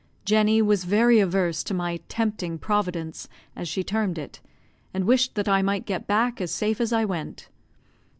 Jenny was very averse to my "tempting Providence," as she termed it, and wished that I might get back as safe as I went.